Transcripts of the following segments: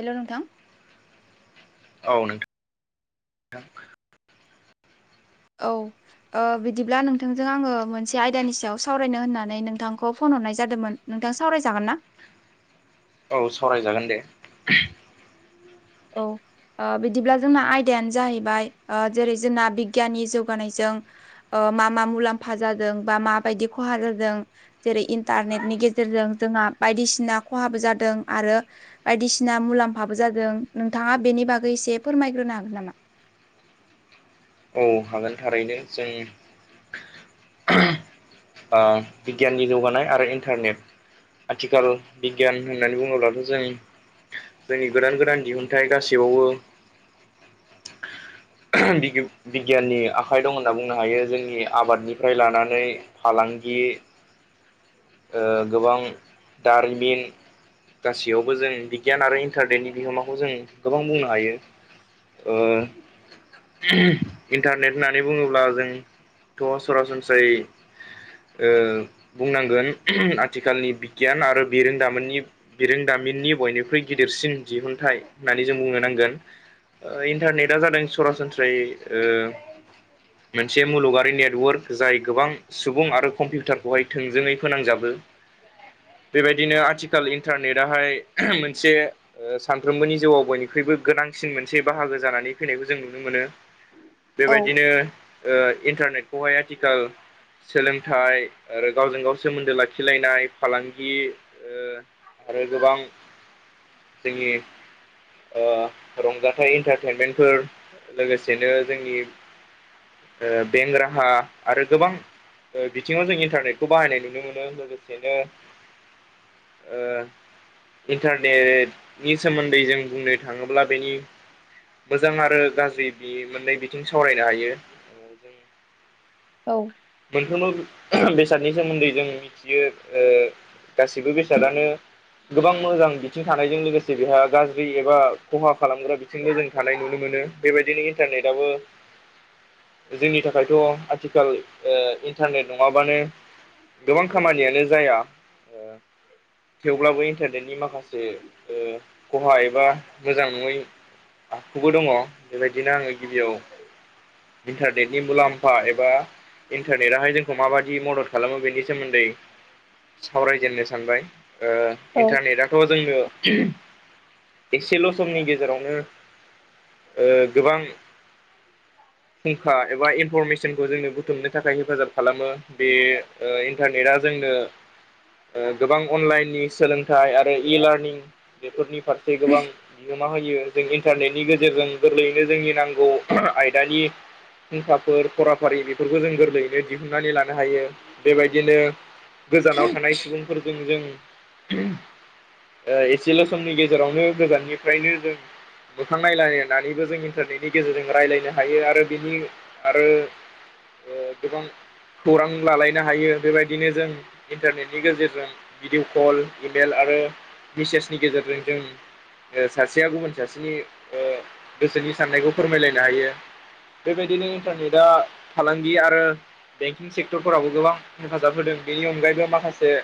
हेल' नोंथां। औ नोंथां। औ। ओ बिदिब्ला नोंथांजों आङो मोनसे आयदानि सायाव सावरायनो होननानै नोंथांखौ फन हरनाय जादोमोन। नोंथां सावरायजागोन ना? औ सावरायजागोन दे। औ। ओ बिदिब्ला जोंना आयदायानो जाहैबाय ओ जेरै जोंना बिगियाननि जौगानायजों ओ मा मा मुलाम्फा जादों बा माबायदि खहा जादों जेरै इन्टारनेटनि गेजेरजों जोंहा बायदिसिना खहाबो जादों आरो बायदिसिना मुलाम्फाबो जादों नोंथाङा बेनि बागै एसे फोरमायग्रोनो हागोन नामा? औ हागोन थारैनो जों आ बिगियाननि जौगानाय आरो इन्टारनेट आथिखाल बिगियान होननानै बुङोब्लाथ' जों जोंनि गोदान गोदान दिहुनथायाइ गासौआवबो [inaudible] बिगिउ बिगियाननि आखाइ दं होनना बुंनो हायो जोंनि आबादनिफ्राय लानानै फालांगि ओ गोबां दारिमिन गासैयावबो जों बिगियान आरो इन्टारनेटनि बिहोमाखौ जों गोबां बुंनो हायो‌ ओ इन्टारनेट होननानै बुङोब्ला जोंथ' सरासनस्रायै ओ बुंनांगोन आथिखालनि बिगियान आरो बिरोंदामोननि बिरोंदामिननि बयनिख्रुइ गिदिरसिन दिहुुनथाइ होननानै जों बुंनो नांगोन। ओ इन्टारनेटा जादों सरासनस्रायै ओ [inaudible] मोनसे मुलुगरारि नेटवर्क जाय गोबां सुबुं आरो कम्पिउटारखौहाय थोंजोङै फोनांजाबो‌ [inaudible] बेबायदिनो आथिखाल इन्टारनेटाहाय मोनसे ओ सानफ्रोमबोनि जिउआव बयनिख्रुइबो गोनांसिन मोनसे बाहागो जानानै फैनायखौ जों नुनो मोनो औ बेबायदिनो ओ इन्टारनेटखौहाय आथिखाल सोलोंथाइ आरो गावजों गाव सोमोन्दो लाखिलायनाय फालांगि ओ आरो गोबां जोंनि ओ रंजाथाइ इन्टारटेनमेन्टफोर लोगोसेनो जोंनि ओ बेंग राहा आरो गोबां ओ बिथिङाव जों इन्टारनेटखौ बाहायनाय नुनो मोनो। लोगोसेनो ओ इन्टारनेटनि सोमोन्दै जों बुंनो थाङोब्ला बेनि मोजां आरो गाज्रि बि मोननै बिथिं सावरायनो हायो। जों औ। मोनफ्रोमबो बेसादनि सोमोन्दै जों मिथियो। ओ गासिबो बेसादानो गोबां मोजां बिथिं थानायजों लोगोसे बेहा गाज्रि एबा खहा खालामग्रा बि थिंबो जों थानाय नुनो मोनो‌ बेबायदिनो इन्टारनेटआबो [inaudible] जोंनि थाखायथ आथिखाल ओ इन्टारनेट नङाबानो गोबां खामानियानो जाया। ओ थेवब्लाबो इन्टारनेटनि माखासे ओ खहा एबा मोजां नङै आखुबो दङ। बेबायदिनो आङो गिबियाव इन्टारनेटनि मुलाम्फा एबा इन्टारनेटआहाय जोंखौ माबायदि मदद खालामो बेनि सोमोन्दै सावरायजेननो सानबाय। ओ औ इन्टारनेटआथ जोंनो एसेल‌' समनि गेजेरावनो गोबां फुंखा एबा इनफरमेसनखौ जोंनो बुथुमनो नि थाखाय हेफाजाब खालामो बे इन्टारनेटआ जोंनो। ओ गोबां अनलाइननि सोलोंथाइ आरो इलारनि बेफोरनि फारसे गोबां मा होयो जों इन्टारनेटनि गेजेरजों गोरलैयैनो जोंनि नांगौ आयदानि फुंखाफोर फराफारि बेफोरखौ जों गोर ओरैनो दिहुननानै लानो हायो बेबायदिनो गोजानाव थानाय सुबुं फोरजों जों ओ एसेल' समनि गेजेरावनो गोजाननिफ्रायनो जों मोखां नायलायनानैबो जों इन्टारनेटनि गेजेरजों रायज्लायनो हायो आरो बिनि आरो ओ गोबां खौरां लालायनो हायो बेबायदिनो जों इन्टारनेटनि गेजेरजों भिडिअ कल इमेल आरो मेसेजनि गेजेरजों जों सासेया गुबुन सासेनि गोसोनि साननायखौ फोरमायलायनो हायो। बेबायदिनो इन्टारनेटआ फालांगि आरो बेंकिं सेक्टरफोरावबो गोबां हेफाजाब होदों बेनि अनगायैबो माखासे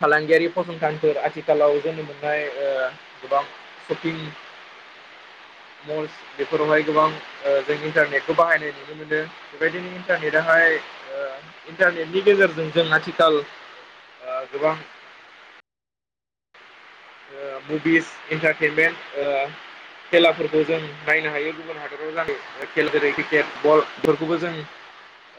फालांगियारि फसंथानफोर आथिखालाव जोङो मोननाय ओ गोबां सपिं मलस बेफोरावहाय गोबां जों इन्टारनेटखौ बाहायनाय नुनो मोनो। बेबायदिनो इन्टारनेटाहाय इन्टारनेटनि गेजेरजों जों आथिखाल गोबां ओ मुभिस इन्टारटेनमेन्ट ओ खेलाफोरखौ जों नायनो हायो गुबुन हादराव जानाय खेल जेरै क्रिकेट फुटबलफोरखौबो जों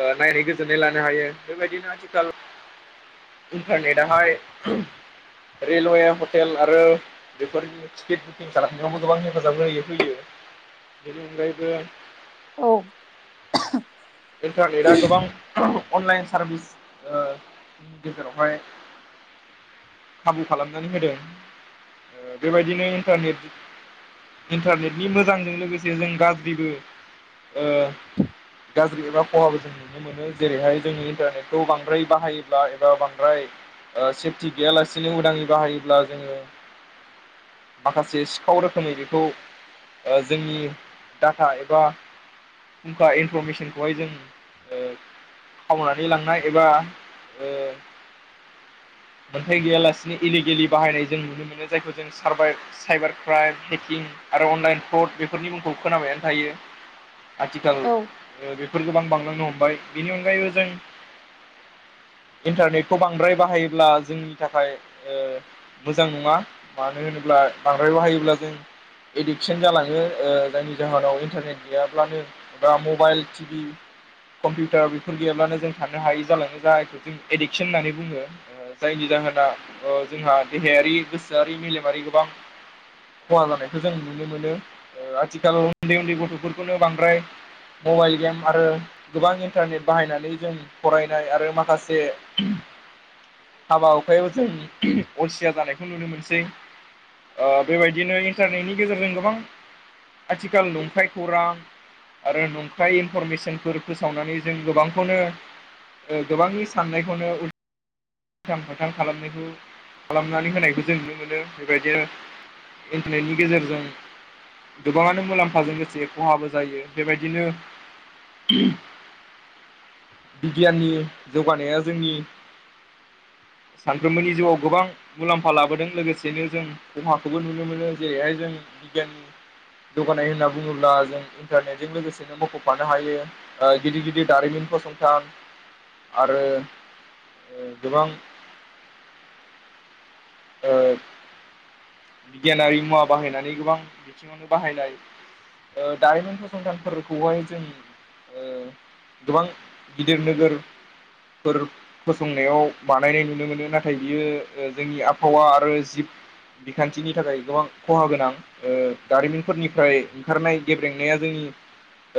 ओ नायनाने गोजोननाय लानो हायो बेबायदिनो आथिखाल इन्टारनेटाहाय रेलवे हटेल आरो बेफोरनि टिकेट बुकिं खालामनायावबो गोबां हेफाजाब होयो फैयो बेनि अनगायैबो औ इन्टारनेटआ गोबां अनलाइन सारभिस ओ नि गेजेरावहाय खाबु खालामनानै होदों बेबायदिनो इन्टारनेट इन्टारनेटनि मोजांजों लोगोसे जों गाज्रिबो ओ गाज्रि एबा खहाबो जों नुनो मोनो जेरैहाय जोङो इन्टारनेटखौ बांद्राय बाहायोब्ला एबा बांद्राय ओ सेफटि गैयाला सिनि उदाङै बाहायोब्ला जोङो माखासे सिखाव रोखोमै बेखौ ओ जोंनि डाटा एबा फुंखा इनफरमेसनखौहाय जों ओ खावनानै लांनाय एबा ओ फाइ गैयालासिनो इलिगेलि बाहायनाय जों नुनो मोनो जायखौ जों सारभाइभ साइबार क्राइम हेकिं आरो अनलाइन फ्रड बेफोरनि मुंखौ खोनाबायानो थायो। आथिखाल औ बेफोर गोबां बांलांनो हमबाय बेनि अनगायैबो जों इन्टारनेटखौ बांद्राय बाहायोब्ला जों नि थाखाय ओ मोजां नङा मानो होनोब्ला बांद्राय बाहायोब्ला जों एडिकसन जालाङो ओ जायनि जाहोनाव इन्टारनेट गैयाब्लानो एबा मबाइल टिभि कम्पिउटार बेफोर गैयाब्लानो जों थानो हायि जाालाङो जायखौ जों एडिक्सन होननानै बुङो। ओ‌ जायनि जाहोना ओ जोंहा देहायारि गोसोआरि मेलेमारि गोबां खहा जानायखौ जों नुनो मोनो आथिखालाव उन्दै उन्दै गथ'फोरखौनो बांद्राय मबाइल गेम आरो गोबां इन्टारनेट बाहायनानै जों फरायनाय आरो माखासे हाबा हुखायाव जों अलसिया जानायखौ नुनो मोनसै। बेबायदिनो इन्टारनेटनि गेजेरजों गोबां आथिखाल नंखाय खौरां आरो नंखाय इनफरमेसनफोर फोसावनानै जों गोबांखौनो ओ गोबांनि साननायखौनो उलथां फालथां खालामनायखौ खालामनानै होनायखौ जों नुनो मोनो बेबायदिनो इन्टारनेटनि गेजेरजों गोबाङानो मुलाम्फाजों लोगोसे खहाबो जायो बेबायदिनो बिगियाननि जौगानाया जोंनि सानफ्रोमबोनि जिउआव गोबां मुलाम्फा लाबोदों लोगोसेनो जों खहाखौबो नुनो मोनो जेरैहाय जों बिगियाननि जौगानाय होनना बुङोब्ला जों इन्टारनेटजों लोगोसेनो मख'फानो हायो ओ गिदिर गिदिर दारिमिन फसंथान आरो गोबां ओ बिगियानारि मुवा बाहायनानै गोबां बिथिङावनो बाहायनाय ओ दारिमिन फसंथानफोरखौहाय जों ओ गोबां गिदिर नोगोरफोर फसंनायाव बानायनाय नुनो मोनो नाथाय बियो जोंनि आबहावा आरो जिब बिखान्थिनि थाखाय गोबां खहा गोनां दारिमिनफोरनिफ्राय ओंखारनाय गेब्रेंनाया जोंनि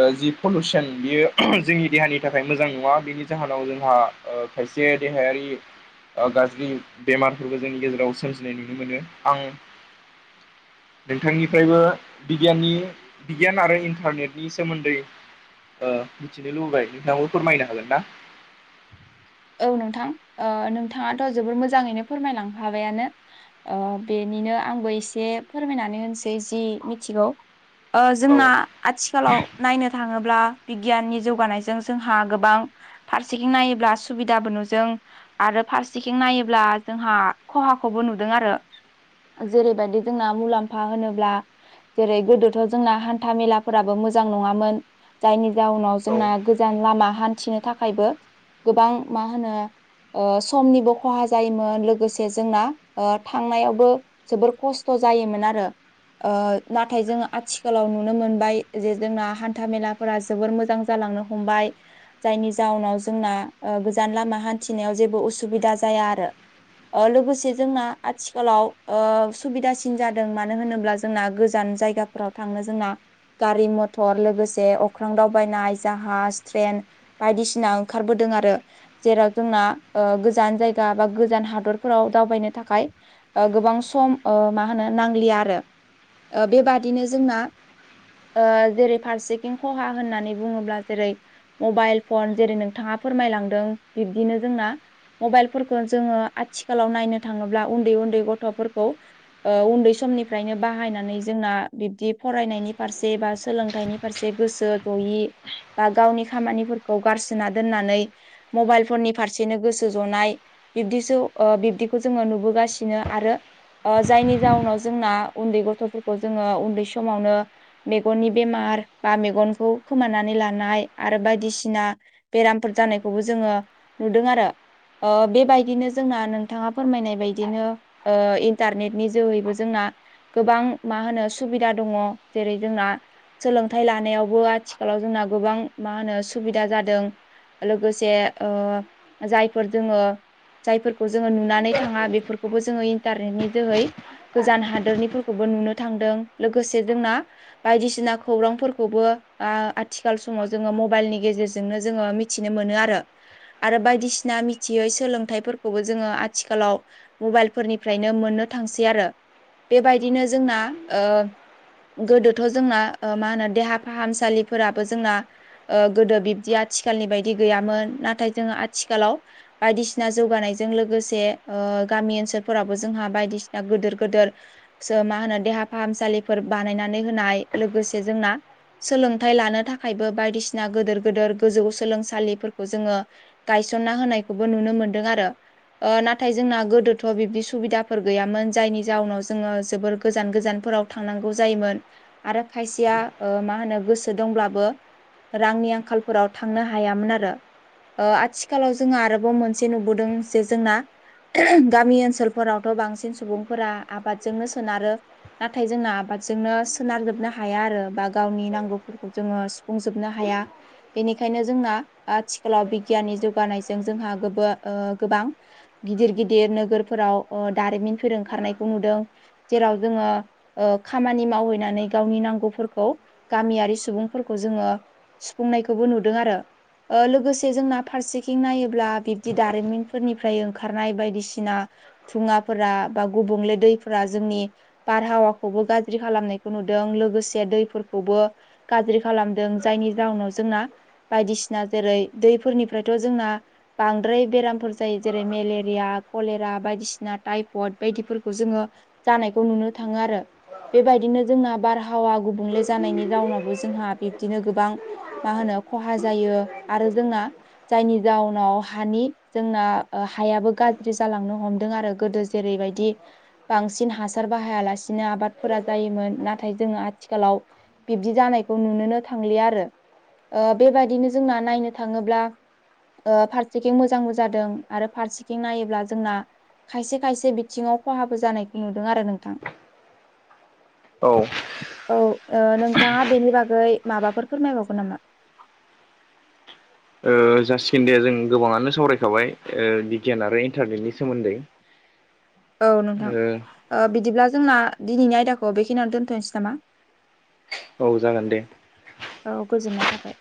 ओ जि पलुसन बियो जोंनि देहानि थाखाय मोजां नङा बेनि जाहोनाव जोंहा ओ खायसे देहायारि ओ गाज्रि बेमारफोरबो जोंनि गेजेराव सोरजिनाय नुनो मोनो आं नोंथांनिफ्रायबो बिगियाननि बिगियान आरो इन्टारनेटनि सोमोन्दै ओ मिथिनो लुबैबाय नोंथाङाबो फोरमायनो हागोन ना औ नोंथां नोंथाङाथ' ओ जोबोर मोजाङैनो फोरमायलाखाबायानो बेनिनो आंबो एसे फोरमायनानै होनोसै जि मिथिगौ ओ औ जोंना आथिखालाव नायनो थाङोब्ला बिगियाननि जौगानायजों जोंहा गोबां फारसेखिं नायोब्ला सु सुबिदाबो नुदों आरो फारसेखिं नायोब्ला जोंहा खहाखौबो नुदों आरो जेरैबायदि जोंना मुलाम्फा होनोब्ला जेरै गोदोथ' जोंना हान्था मेलाफोराबो मोजां नङामोन जायनि जाउनाव औ जोंना गोजान लामा हान्थिनो थाखायबो गोबां मा होनो ओ समनिबो खहा जायोमोन लोगोसे जोंना ओ थांनायावबो जोबोर खस्थ' जायोमोन आरो नाथाय जोङो आथिखालाव नुनो मोनबाय जे जोंना हान्था मेला फोरा जोबोर मोजां जालांनो हमबाय जायनि जाउनाव जोंना ओ गोजान लामा हान्थिनायाव जेबो उसुबिदा जाया आरो ओ लोगोसे जोंना आथिखालाव ओ सुबिदासिन जादों मानो होनोब्ला जोंना गोजान जायगा फोराव थांनो जोंना गारि मथर लोगोसे अख्रां दावबायनाय जाहाज ट्रेन बायदिसिना ओंखारबोदों आरो रो जेराव जोंना ओ गोजान जायगा बा गोजान हादरफोराव दावबायनो थाखाय ओ गोबां सम ओ मा होनो नांलिया आरो ओ बेबादिनो जोंना ओ जेरै फारसेखिं खहा होननानै बुङोब्ला जेरै मबाइल फन जेरै नोंथाङा फोरमायलांदों बिब्दिनो जोंना मबाइलफोरखौ जोङो आथिखालाव नायनो थाङोब्ला उन्दै उन्दै गथ'फोरखौ ओ उन्दै समनिफ्रायनो बाहायनानै जोंना बिब्दि फरायनायनि फारसे बा सोलोंथाइनि फारसे गोसो जयि बा गावनि खामानिफोरखौ गारसोना दोनना नै मबाइल फननि फारसेनो गोसो जनाय बिब्दिसो बिब्दिखौ जोङो नुबोगासिनो आरो जायनि जाहनाव जोंना उन्दै गथ'फोरखौ जोङो उन्दै समावनो मेगननि बेमार बा मेगनखौ खोमानानै लानाय आरो बायदिसिना बेरामफोर जानायखौबो जोङो नुदों आरो। बेबायदिनो जोंना नोंथाङा फोरमायनाय बायदिनो इन्टारनेटनि जोहैबो जोंना गोबां मा होनो सुबिदा दङ जेरै जोंना सोलोंथाइ लानायावबो आथिखालाव जोंना गोबां मा होनो सुबिदा जादों लोगोसे ओ जायफोर जोङो जायफोरखौ जोङो नुनानै थाङा बेफोरखौ बे खौबो जोङो इन्टारनेटनि जोहै गोजान हादोरनिफोरखौबो नुनो थांदों लोगोसे जोंना बायदिसिना खौरांफोरखौबो आथिखाल समाव जोङो मबाइलनि गेजेरजोंनो जोङो मिथि मिथिनो मोनो आरो आरो बायदिसिना मिथियै सोलोंथाइफोरखौबो जोङो आथिखालाव मबाइलफोरनिफ्रायनो मोननो थांसै आरो बेबायदिनो जोंना ओ गोदोथ' जोंना मा होनो देहा फाहामसालिफोराबो जोंना ओ गोदो बिब्दि आथिखालनि बायदि गैयामोन नाथाय जोङो आथिखालाव बायदिसिना जौगानायजों लोगोसे ओ गामि ओनसोलफोरावबो जोंहा बायदिसिना गिदिर गिदेर सो मा होनो देहा फाहामसालिफोर बानायनानै होनाय लोगोसे जोंना सोलोंथाइ लानो थाखायबो बायदिसिना गेदेर गेदेर गोजौ सोलोंसालिफोरखौ जोङो गायसनना होनायखौबो नुनो मोनदों आरो नाथाय जोंना गोदोथ' बिब्दि सुबिदाफोर गैयामोन जायनि जाउनाव जोङो जोबोर गोजान गोजानफोराव थांनांगौ जायोमोन। आरो खायसेया ओ मा होनो गोसो दंब्लाबो रांनि आंखाल फोराव थांनो हायामोन आरो। आथिखालाव जोङो आरोबाव मोनसे नुबोदों जे जोंना गामि ओनसोलफोरावथ' बांसिन सुबुंफोरा आबादजोंनो सोनारो नाथाय जोंना आबादजोंनो सोनारजोबनो हाया आरो बा गावनि नांगौ फोरखौ जोङो सुफुंजोबनो हाया। बेनिखायनो जोंना आथिखालाव बिगियाननि जौगानायजों जोंहा गोबां गिदिर गिदिर नोगोरफोराव दारिमिनफोर ओंखारनायखौ नुदों जेराव जोङो खामानि मावहैनानै गावनि नांगौफोरखौ गामियारि सुबुंफोरखौ जोङो सुफुंनाय खौबो नुदों आरो लोगोसे जोंना फारसेथिं नायोब्ला बिब्दि दारिमिनफोरनि ओमफ्राय ओंखारनाय बायदिसिना दुङाफोरा बा गुबुंले दैफोरा जोंनि बारहावाखौबो गाज्रि खालामनायखौ नुदों लोगोसे दैफोरखौबो गाज्रि खालामदों जायनि जाहोनाव जोंना बायदिसिना जेरै दैफोरनिफ्रायथ' जोंना बांद्राय बेरामफोर जायो जेरै मेलेरिया कलेरा बायदिसिना टाइफयड बायदिफोरखौ जोङो जानायखौ नुनो थाङो आरो बेबायदिनो जोंना बार आबहावा गुबुंले जानायनि जावोनावबो जोंहा बिब्दिनो गोबां मा होनो खहा जायो आरो जोंना जायनि जाउनाव हानि जोंना हायाबो गाज्रि जालांनो हमदों आरो गोदो जेरैबायदि बांसिन हासार बाहायालासिनो आबादफोरा जायोमोन नाथाय जोङो आथिखालाव बिब्दि जानायखौ नुनोनो थांलिया आरो बेबादिनो जोंना नायनो थाङोब्ला ओ फारसेथिं मोजांबो जादों आरो फारसेथिं नायोब्ला जोंना‌ खायसे खायसे बिथिङाव खहाबो जानाय नुदों आरो नोंथां। औ औ नोंथाङा ओ बेनि बागै माबाफोर फोरमायबावगोन नामा? ओ जासिगोन दे जों गोबाङानो सावरायखाबाय ओ बिगियान आरो इन्टारनेटनि सोमोन्दै। औ नोंथां, ओ ओ बिदिब्ला जोंना दिनैनि आयदाखौ बेखिनियावनो दोनथ'नोसै नामा? औ जागोन दे। औ गोजोननाय थाबाय।